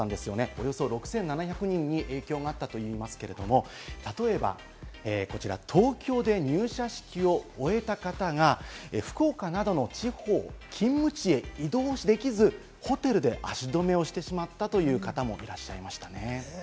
およそ６７００人に影響があったといいますけれども、例えばこちら、東京で入社式を終えた方が、福岡などの地方、勤務地へ移動ができず、ホテルで足止めをしてしまったという方もいらっしゃいましたね。